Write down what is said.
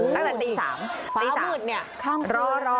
ตั้งแต่ตี๓ตี๓รอ